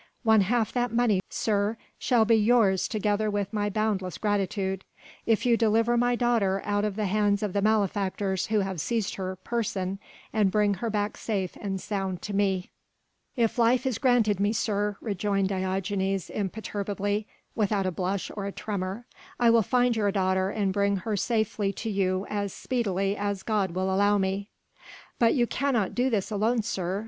One half that money, sir, shall be yours together with my boundless gratitude, if you deliver my daughter out of the hands of the malefactors who have seized her person and bring her back safe and sound to me." "If life is granted me, sir," rejoined Diogenes imperturbably, without a blush or a tremor, "I will find your daughter and bring her safely to you as speedily as God will allow me." "But you cannot do this alone, sir